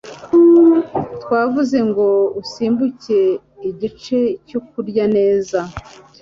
twavuze ngo usimbuke igice cyo kurya neza.